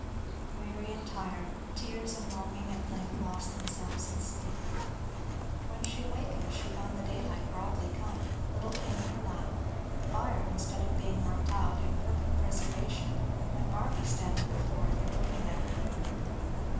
Weary and tired, tears and longing at length lost themselves in sleep. When she awaked she found the daylight broadly come, little King in her lap, the fire, instead of being burnt out, in perfect preservation, and Barby standing before it and looking at her.